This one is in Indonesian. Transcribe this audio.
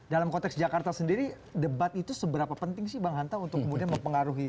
dalam konteks jakarta sendiri debat itu seberapa penting sih bang hanta untuk kemudian mempengaruhi